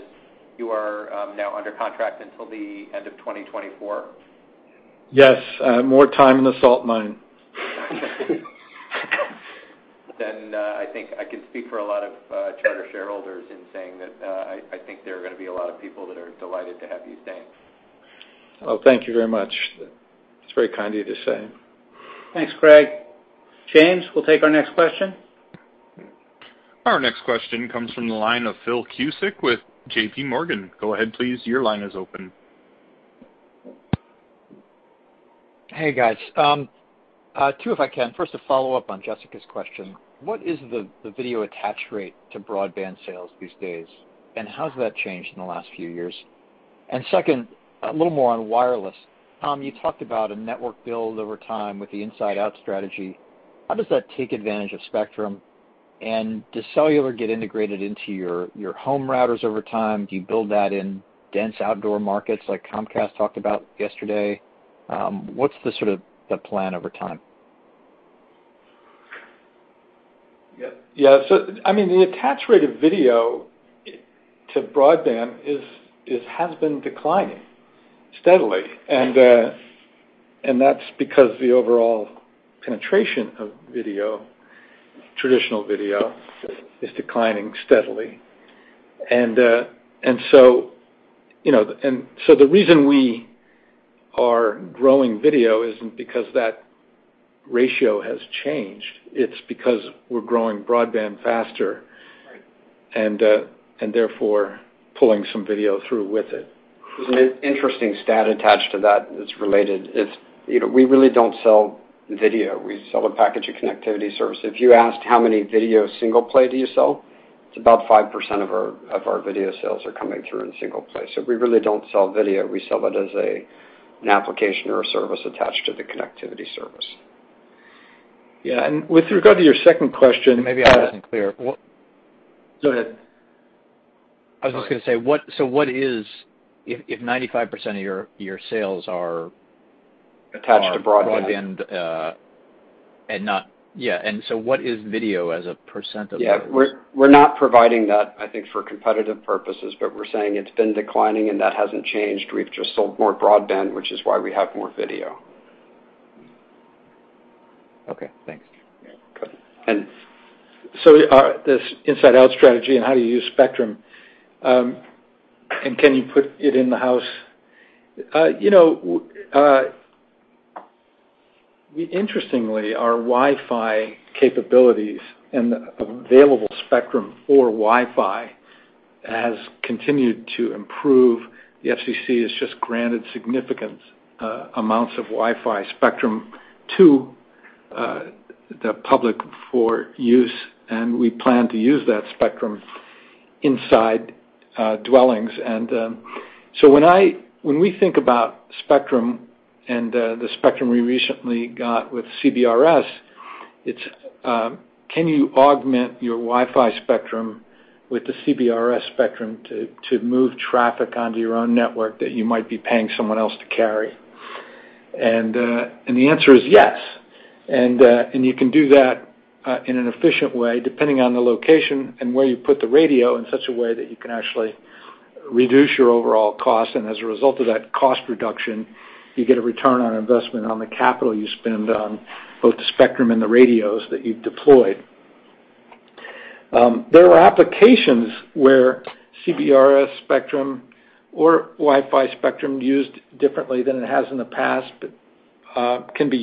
you are now under contract until the end of 2024? Yes. More time in the salt mine. I think I can speak for a lot of Charter shareholders in saying that I think there are going to be a lot of people that are delighted to have you staying. Thank you very much. It's very kind of you to say. Thanks, Craig. James, we'll take our next question. Our next question comes from the line of Phil Cusick with JPMorgan. Go ahead, please. Your line is open. Hey, guys. Two, if I can. First, a follow-up on Jessica's question. What is the video attach rate to broadband sales these days, and how has that changed in the last few years? Second, a little more on wireless. Tom, you talked about a network build over time with the inside-out strategy. How does that take advantage of spectrum? Does cellular get integrated into your home routers over time? Do you build that in dense outdoor markets like Comcast talked about yesterday? What's the plan over time? Yeah. The attach rate of video to broadband has been declining steadily, and that's because the overall penetration of video, traditional video, is declining steadily. The reason we are growing video isn't because that ratio has changed. It's because we're growing broadband faster. Right. Therefore pulling some video through with it. There's an interesting stat attached to that, it's related, we really don't sell video. We sell a package of connectivity service. If you asked how many video single play do you sell, it's about 5% of our video sales are coming through in single play. We really don't sell video. We sell it as an application or a service attached to the connectivity service. Yeah. With regard to your second question. Maybe I wasn't clear. Go ahead. I was just going to say, if 95% of your sales are. Attached to broadband. Broadband, yeah. What is video as a percent of those? Yeah. We're not providing that, I think, for competitive purposes, but we're saying it's been declining and that hasn't changed. We've just sold more broadband, which is why we have more video. Okay, thanks. Yeah, good. This inside-out strategy and how do you use spectrum, and can you put it in the house? Interestingly, our Wi-Fi capabilities and the available spectrum for Wi-Fi has continued to improve. The FCC has just granted significant amounts of Wi-Fi spectrum to the public for use, and we plan to use that spectrum inside dwellings. When we think about spectrum and the spectrum we recently got with CBRS, it's, can you augment your Wi-Fi spectrum with the CBRS spectrum to move traffic onto your own network that you might be paying someone else to carry? The answer is yes, and you can do that in an efficient way, depending on the location and where you put the radio in such a way that you can actually reduce your overall cost. As a result of that cost reduction, you get a return on investment on the capital you spend on both the spectrum and the radios that you've deployed. There are applications where CBRS spectrum or Wi-Fi spectrum used differently than it has in the past, but can be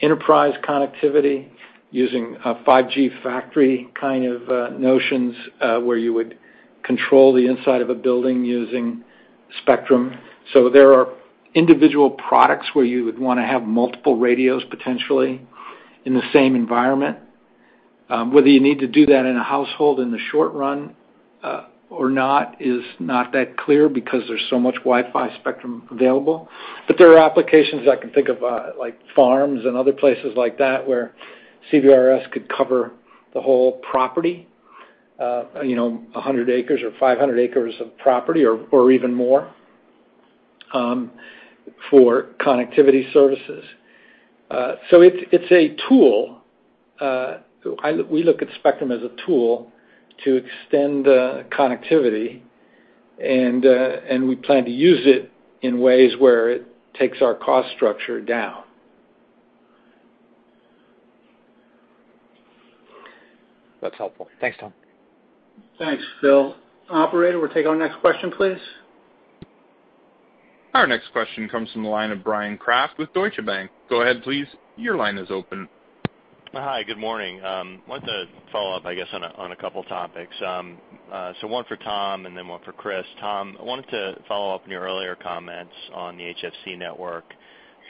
used in enterprise connectivity using a 5G factory kind of notions, where you would control the inside of a building using spectrum. There are individual products where you would want to have multiple radios, potentially, in the same environment. Whether you need to do that in a household in the short run or not is not that clear because there's so much Wi-Fi spectrum available. There are applications I can think of, like farms and other places like that, where CBRS could cover the whole property, 100 acres or 500 acres of property or even more for connectivity services. It's a tool. We look at spectrum as a tool to extend connectivity, and we plan to use it in ways where it takes our cost structure down. That's helpful. Thanks, Tom. Thanks, Phil. Operator, we'll take our next question, please. Our next question comes from the line of Bryan Kraft with Deutsche Bank. Go ahead, please. Your line is open. Hi. Good morning. I wanted to follow up, I guess, on two topics. One for Tom and then one for Chris. Tom, I wanted to follow up on your earlier comments on the HFC network.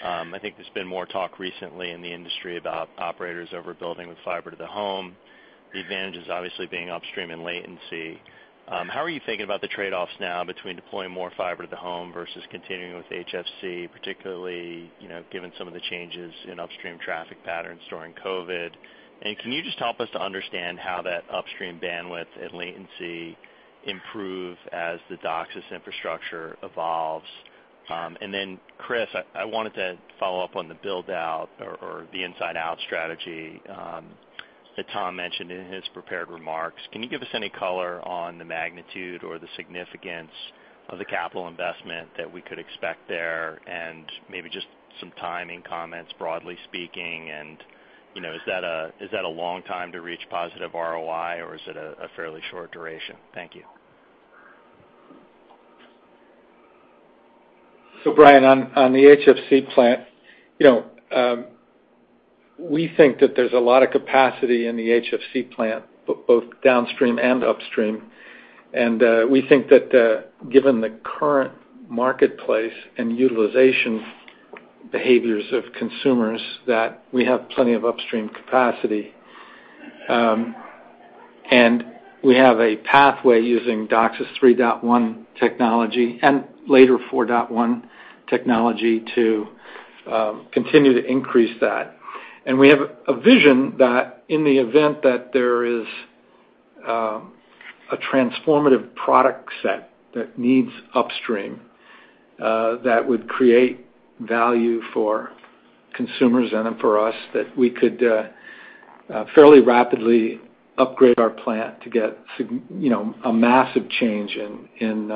I think there's been more talk recently in the industry about operators overbuilding with fiber to the home. The advantage is obviously being upstream and latency. How are you thinking about the trade-offs now between deploying more fiber to the home versus continuing with HFC, particularly given some of the changes in upstream traffic patterns during COVID? Can you just help us to understand how that upstream bandwidth and latency improve as the DOCSIS infrastructure evolves? Chris, I wanted to follow up on the build-out or the inside-out strategy that Tom mentioned in his prepared remarks. Can you give us any color on the magnitude or the significance of the capital investment that we could expect there, and maybe just some timing comments, broadly speaking, and is that a long time to reach positive ROI, or is it a fairly short duration? Thank you. Bryan, on the HFC plant, we think that there's a lot of capacity in the HFC plant, both downstream and upstream. We think that given the current marketplace and utilization behaviors of consumers, that we have plenty of upstream capacity. We have a pathway using DOCSIS 3.1 technology, and later 4.0 technology, to continue to increase that. We have a vision that in the event that there is a transformative product set that needs upstream, that would create value for consumers and then for us, that we could fairly rapidly upgrade our plant to get a massive change in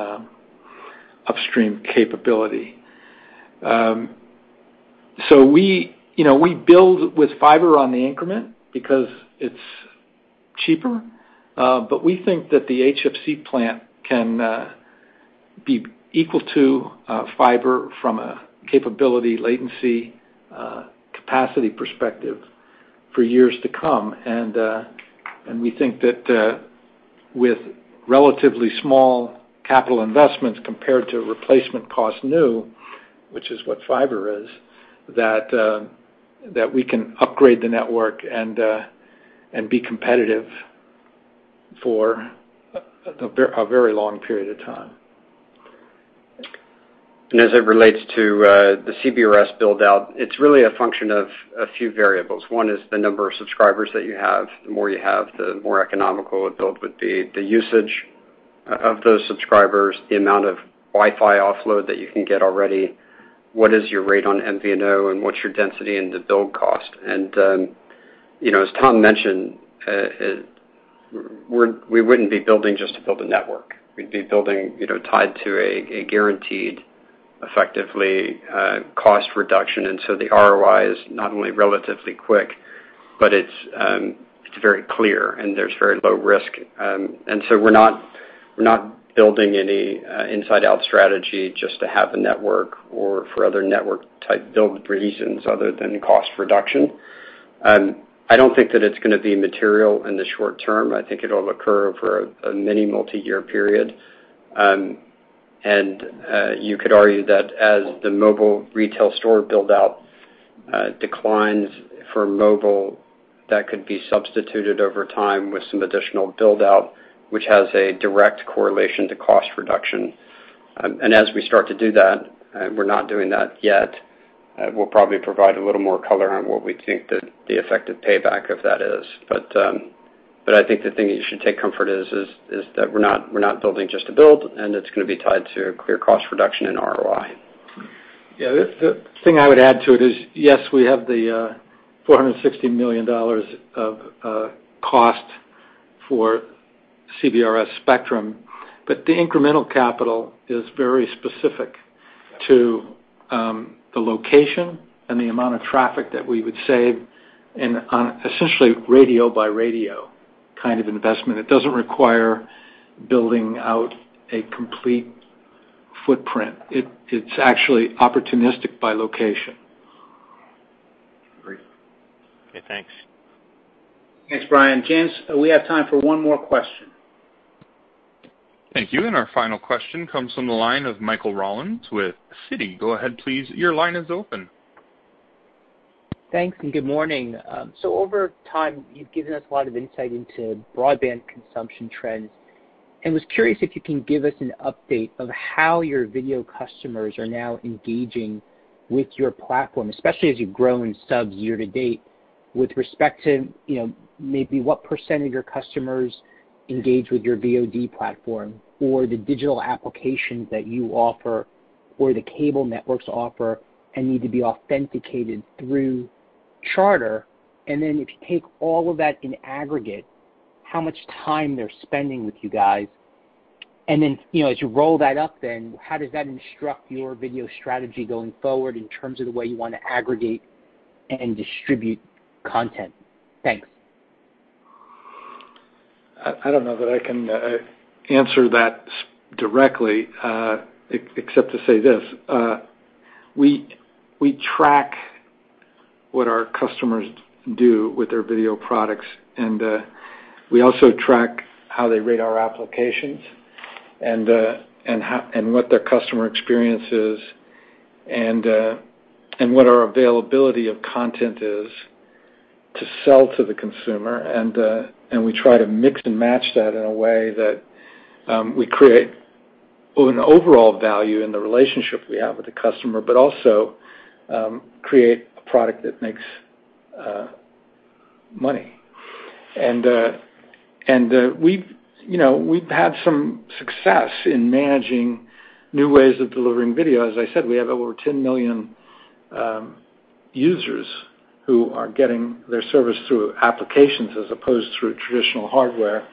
upstream capability. We build with fiber on the increment because it's cheaper. We think that the HFC plant can be equal to fiber from a capability, latency, capacity perspective for years to come. We think that with relatively small capital investments compared to replacement cost new, which is what fiber is, that we can upgrade the network and be competitive for a very long period of time. As it relates to the CBRS build-out, it's really a function of a few variables. One is the number of subscribers that you have. The more you have, the more economical a build would be. The usage of those subscribers, the amount of Wi-Fi offload that you can get already, what is your rate on MVNO, and what's your density and the build cost. As Tom mentioned, we wouldn't be building just to build a network. We'd be building tied to a guaranteed, effectively, cost reduction. So the ROI is not only relatively quick, but it's very clear, and there's very low risk. So we're not building any inside out strategy just to have a network or for other network type build reasons other than cost reduction. I don't think that it's going to be material in the short term. I think it all occur for many multi-year period. You could argue that as the mobile retail store build-out declines for mobile, that could be substituted over time with some additional build-out, which has a direct correlation to cost reduction. As we start to do that, we're not doing that yet, we'll probably provide a little more color on what we think that the effective payback of that is. I think the thing that you should take comfort is that we're not building just to build, and it's going to be tied to clear cost reduction and ROI. Yeah. The thing I would add to it is, yes, we have the $460 million of cost for CBRS spectrum, but the incremental capital is very specific to the location and the amount of traffic that we would save on essentially radio by radio kind of investment. It doesn't require building out a complete footprint. It's actually opportunistic by location. Great. Okay, thanks. Thanks, Bryan. James, we have time for one more question. Thank you. Our final question comes from the line of Michael Rollins with Citi. Go ahead, please. Thanks, and good morning. Over time, you've given us a lot of insight into broadband consumption trends, and was curious if you can give us an update of how your video customers are now engaging with your platform, especially as you've grown subs year to date with respect to maybe what percent of your customers engage with your VOD platform or the digital applications that you offer or the cable networks offer and need to be authenticated through Charter. If you take all of that in aggregate, how much time they're spending with you guys. As you roll that up then, how does that instruct your video strategy going forward in terms of the way you want to aggregate and distribute content? Thanks. I don't know that I can answer that directly except to say this. We track what our customers do with their video products, and we also track how they rate our applications and what their customer experience is and what our availability of content is to sell to the consumer. We try to mix and match that in a way that we create an overall value in the relationship we have with the customer, but also create a product that makes money. We've had some success in managing new ways of delivering video. As I said, we have over 10 million users who are getting their service through applications as opposed through traditional hardware.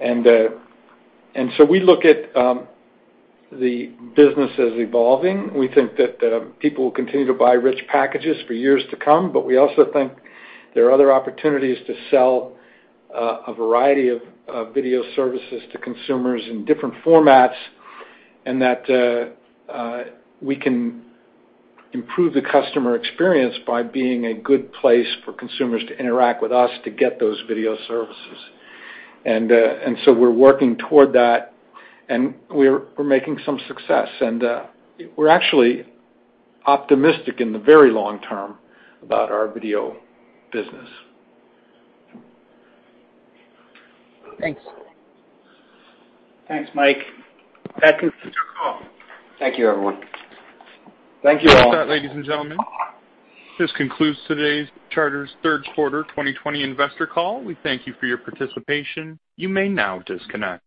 We look at the business as evolving. We think that people will continue to buy rich packages for years to come, but we also think there are other opportunities to sell a variety of video services to consumers in different formats, and that we can improve the customer experience by being a good place for consumers to interact with us to get those video services. We're working toward that, and we're making some success. We're actually optimistic in the very long term about our video business. Thanks. Thanks, Mike. That concludes your call. Thank you, everyone. Thank you all. That's it, ladies and gentlemen. This concludes today's Charter's third quarter 2020 investor call. We thank you for your participation. You may now disconnect.